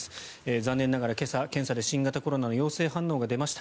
残念ながら今朝、検査で新型コロナの陽性反応が出ました。